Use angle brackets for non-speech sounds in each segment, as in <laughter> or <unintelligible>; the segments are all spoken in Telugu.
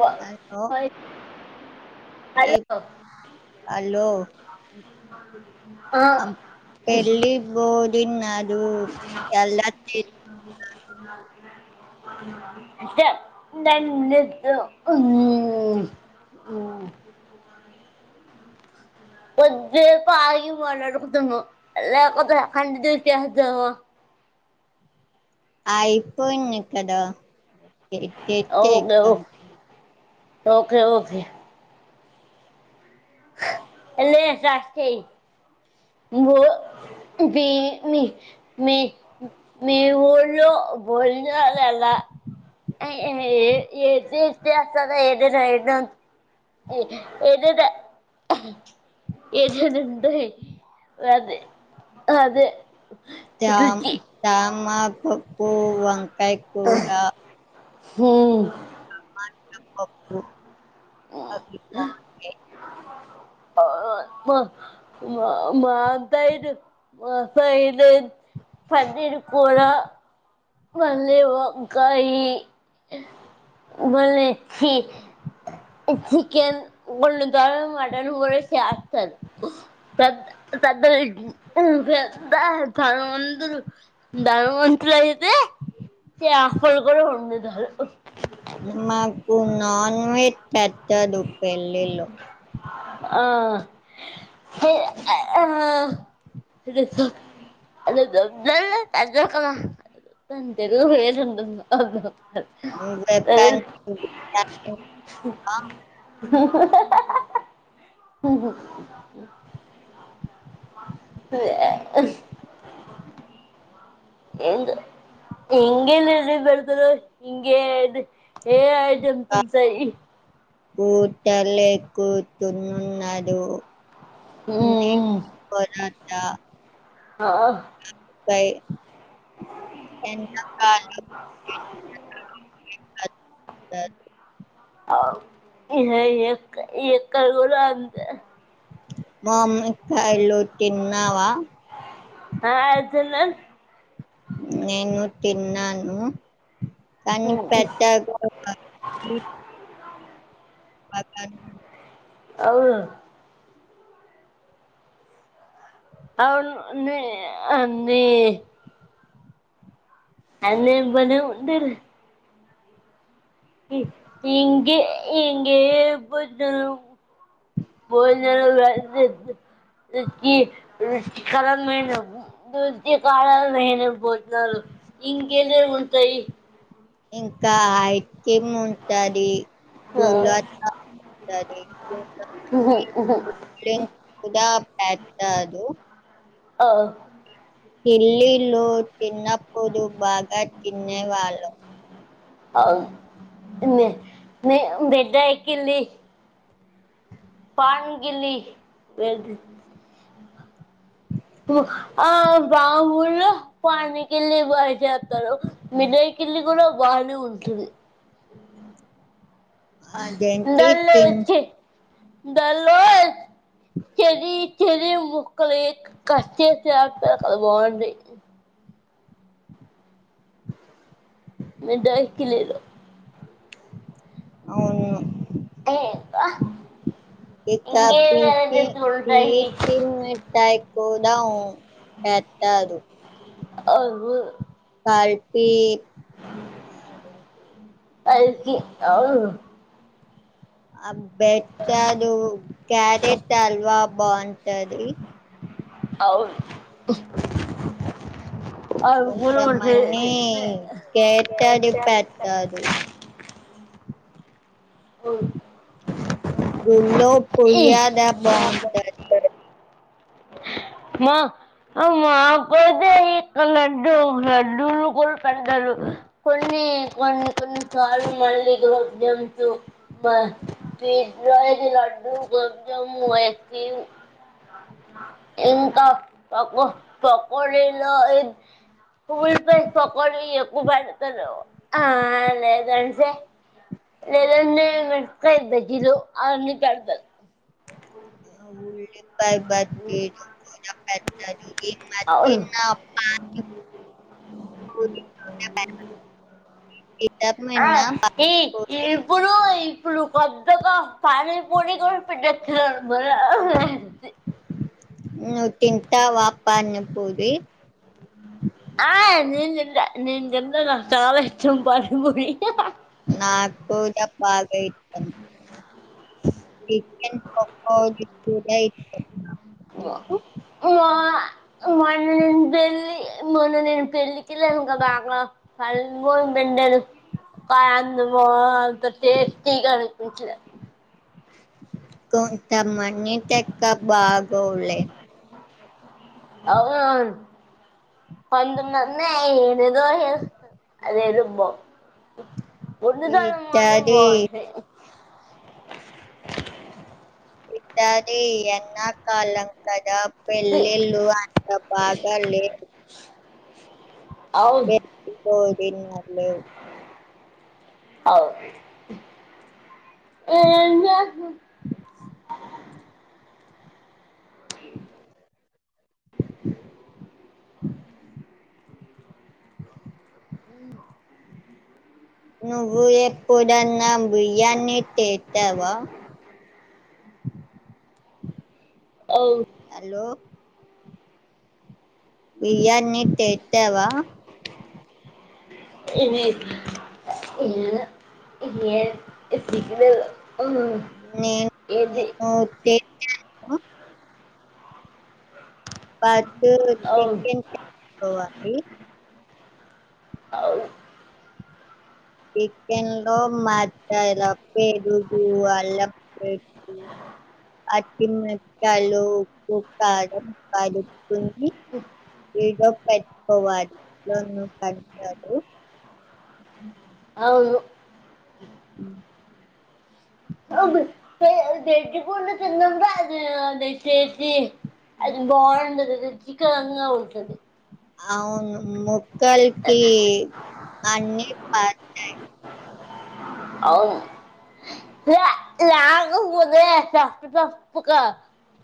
హలో ఏక్ హలో ఆ బోరింగ్ గానూ ఎలా చేస్తారు ఇ దా దా నెలలు ఉమ్ ఉమ్ కొజెపు ఆగి వాళ్ళు అడుగుతున్నారు లేకపోతే కళ్ళు తిరుగుతే ఏమవుతుంది. అయిపోయింది కదా. చెట్టు అయితే ఓకే ఎక్కాను ఓకే ఓకే ఓకే హలో సాస్తే ఇంగో ఇది మీ మీ మీ ఊర్లో భోజనాలు ఎలా ఏ ఏదిచూసి చేస్తారా ఎదైన ఏది ఏ ఏదద ఏదనాంట అదే అదే జామ్ రుచి సాంబార్ పప్పుూ వంకాయ కూర హో అన్నం పప్పు <unintelligible> మా మా మాత్తయిదు ముత్తయిదు పన్నీర్ కూర మళ్ళె వంకాయ్ మళ్ళ చి చికెన్ వండుతారు మటన్ కూడా చేస్తారు. పెద్ద పెద్ద పెద్ద తను ముందు దాని ముందు లయితే అఫల్గ వండుతారు మాకు నాన్ వెజ్ పెట్టరు పెళ్లి లో ఆహ్ <inaudible> అదొక జెసజల్లి అదో క ఉమ్ పెద్దానికి ఏయ్ ఎంత ఇంగ బెడతరు ఇింగే అయిదు ఏ అయిటమ్స్ ఉంటయి పూట లే కూర్తున్నడు ఉమ్ ఏం కూర అంట ఆ సయి <inaudible> అవు ఇదె ఎక్క ఎక్కడ కూడ అంతె వామ్మో కాయలు తిన్నావ ఆ తిన్నాన్ నేను కూడా తిన్నాను కానీ పెద్దగా పద్నాలుగు అవును అవును నె అన్నీ అన్ని బలె ఉండయి రా ఇంగ్ ఇంగే ఎప్పుడు చూడు పోన్ <unintelligible> కరెంట్ పోయిండ నత్య కాలాలు నేనే పోతున్నారు ఇంకేదె ఉంటాయి ఇంకా ఐస్ క్రీమ్ ఉంటంది గులాబ్ <unintelligible> కూడా పెట్టదు ఆ తెలిలే ఇప్పుడు చిన్నప్పుడు బాగా తినె వాళ్ళం అవును పాన్ గిల్లి ఒక బా ఊల్లో పాని వికేలే పని జేత్తరు మినైకిల్లి కూడ బానె ఉంటది అదేంటి దాన్లో తిన్ చిప్ దాంట్లో చ చరి ముక్కలే కట్ చేస్తే అయిపోతది కదా అండి మీ డైకి లేదు అవును ఏ బా ఇకా పీచే పీచు మిఠాయి కుదా ఉ పెట్టాడు అవును కల్టీ పైకి అవును ఆ బేట్టడు క్యారెట్ హల్వా బావుంటది అవున్ అవి గుడ ఉంటాయ్ కొంతమంది నేనె రాదు గుడ్లో ఈ పులిహార బావుంటది హా ఆ మాకయితే ఇక్క లడ్డూ లడ్డూలు కూడ పెడతారు కొన్ని కొన్ని కొన్ని సార్లు మళ్ళీ గ్రూప్ డాన్సులు బ్బ <unintelligible> లడ్డూ కొంచం <unintelligible> ఇంకా పకొ పకోడిలు అయిత్ ఉల్పాయ్ పకోడి ఎక్కువ పెడతరు ఆ లేదంటె లేదంటే మిరపకాయ్ బజ్జీలు అవన్నీ పెడతర్ ఆ ఊల్లిపాయ బజ్ <unintelligible> పెడతరు అవును <unintelligible> <inaudible> ఈ <unintelligible> ఆ మేన ఈ పానిపురి ఇప్పుడు ఇప్పుడు కొత్తగ పానీపూరి కూడ పెట్టెత్తున్నారు నువ్ తింటావా పానీ పూరి ఆ నేన్ తింట నేను తింటా నాకు చాలా ఇష్టం పాణి పూరి నాక్కుడ బాగా ఇష్ చికెన్ పకోడీ కూడా ఇష్టం నాకు వా మొన్న నేను పెళ్ళి మొన్న నేను పెళ్లికి కెల్లాను గదా అక్కడ బెండలు <unintelligible> టేస్టీ గ అనిపించలే కొంత మంది దగ్గ భాగోవ్లె అవునవున్ కొంత మంది నిజమే జేస్తరు అదేదో బా <unintelligible> మాత్రం ఈతది బావుంటయి కనీ ఎండా కాలం కదా పెళ్ళిళ్ళు అంత బాగా లేవు అవును ఎప్పుడో డిన్నర్ లేదు ఏం జేస్తనర్ అ ఉ నువ్వు ఎప్పుడన్న బియ్యాన్ని తేట్టావా ఓవు హలో బిర్యానీ తెట్టావా ఇవి ఏను <unintelligible> ఎప్పటికితే నేను నేను తే పా అవును <unintelligible> అవును చికెన్ లో మచలా పెరుగు అల్ల పెట్ పచ్చిమెర్పకాయలు ఉప్పు కాడం పడుతుంది హ్ వడో పెట్టుకోవాలి నన్ను తంతడు అవును ఉ <unintelligible> అది బాండది రుచికరంగ ఉంటది అవును ముక్కలకి అన్ని పడతాయి అవును ప్ లేకపోతే పస్పు పస్పుగా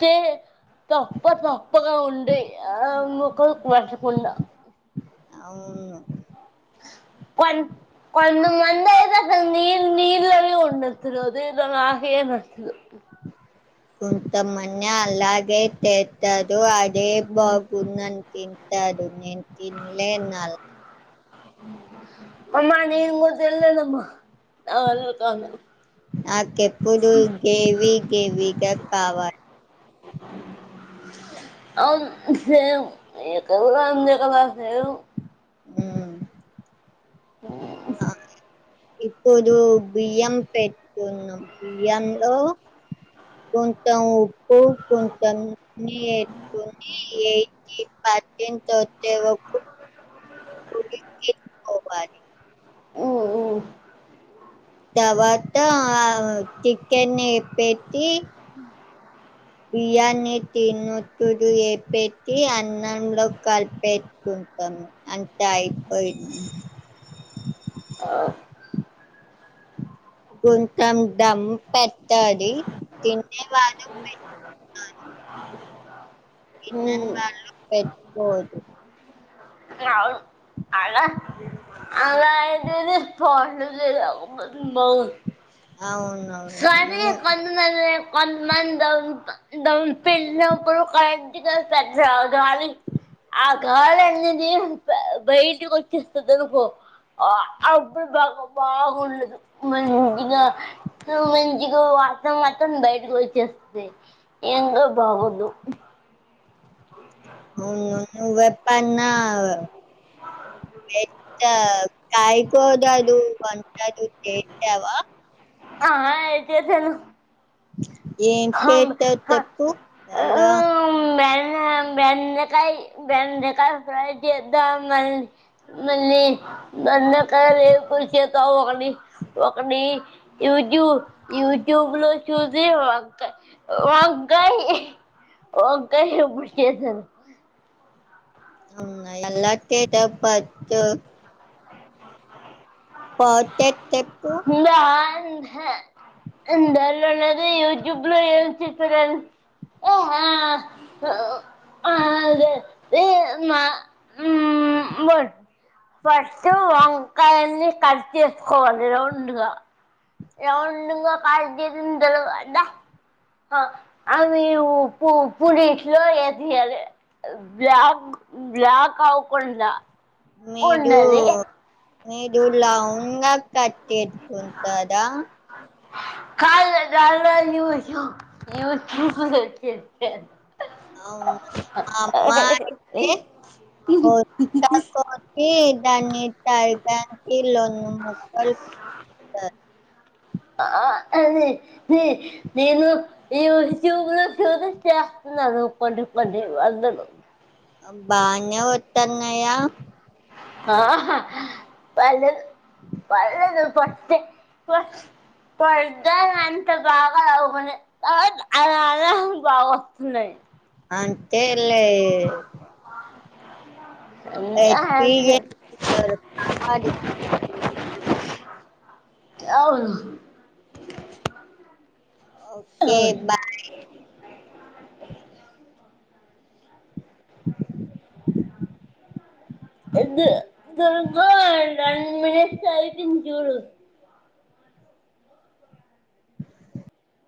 పి పస్పు పస్పుగా ఉండి ఆ ముక్కలకు పట్టకుండా అవును పం కొంత మంది అయితే అ నరు నర్లవి ఉండతురుదు స కొంతమని అలాగే తెస్తారు అదే బాగుందని తింటాడు నేను తిన్లేనల అమ్మా <unintelligible> నావల్ల కాదు ఆకెప్పుడు గేవి గేవిగా కావాలి <unintelligible> ఊ బా ఇప్పుడు బియ్యం పెట్టుకున్నాం బియ్యంలో కొంత ఉప్పు కొంత <unintelligible> వ <inaudible> ఉ ఉ తర్వాత ఆ చికెన్ని పెట్టి బియ్యాన్ని తిన్న తడు ఏ పెట్టి అన్నంలో కలిపే <unintelligible> అంట అయిపోయి కొంచెం డమ్ పెట్టలి తినే వాళ్ళ తినని మ్మ్ వాళ్ళు పెట్టుకోవద్దు అవు అలా అలా అయి <unintelligible> <unintelligible> అవునవును నల్లే వందమంది దౌ ధోం పిల్ల లోకరు క ఈరోజు పెద్దగాలి ఆ గాలి అందింది. బయటికివచ్చేస్తుంది అనుకో అప్పటిదాకా బాగుంది మంచిగా మంచి గో వాతం వాతం బయటికి వచ్చేస్తుది ఇంగు బాగోదు అవును నువు ఎ ప్పన్న హ ఎట్టా కా యకిోదదు వంకాయ నువ్వు చేసావా ఆ హాయ్ చేశాను ఏ అం అ ఉం బెల్లనామా బెండకాయ బెండకాయ ఫ్రై చేద్దాం మళ్ళి మళ్ళీ బెండకాయ వేపుడు చేద్దాం ఒకటి ఒకని యూట్యూ యూట్యూబ్ లో చూసి ఒక వంకాయ యీ వంకాయ ఇప్పుడు చేశాను అవును ఎలా చేసావ్ పొద్దు పొటెట్ టెప్పు ందా అందహే ఇందర అనేది యూట్యూబ్ లోనే చూస్తున్నారు ఆ అదే మా ఫస్ట్ వంకాయలను కట్ చేసుకోవాలి రౌండ్ గా రౌండ్ గా కట్ చేసిన తర్వాత అవి ఉప్పు ఉప్పునీటిలో వేసేయాలి బ్లాక్ బ్లాక్ అవ కుండా మీదు మీదు లౌండ్ గా కట్ చేసి కదా కాల్ గె డ్రైవర్ న్యూస్ న్యూస్ చూస్ వచ్చేసా అవును మా అమ్మానికి కొత్త కోడళ్ళు ఈ దాన్ని ఇట్టా ఇట్టా టీఎల్లోనూ మొక్కల్లోనూ ఆ అది ది నేను యూట్యూబ్లో చూసి చేస్తున్నాను కొన్ని కొన్ని వంద లు బానే ఒట్టన్నయా ఆ పర్లేదు పర్లేదు ఫస్ట్ ఫస్ట్ టైం అంత బాగా రావు మరి అ అలా అలా బాగా వస్తున్నాయి అంతేలే అ పి అవును ప్రేగేస్తున్నారు కామది అవును ఎ బా టెన్ మినిట్స్ అయితుంది చూడు